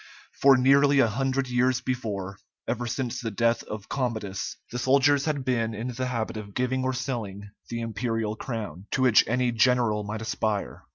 For nearly a hundred years before, ever since the death of Commodus, the soldiers had been in the habit of giving or selling the imperial crown, to which any general might aspire.